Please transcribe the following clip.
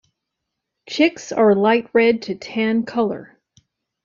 Chicks are a light red to tan color.